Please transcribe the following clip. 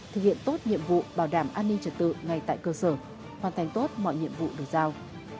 thực hiện tốt nhiệm vụ bảo đảm an ninh trật tự ngay tại cơ sở hoàn thành tốt mọi nhiệm vụ được giao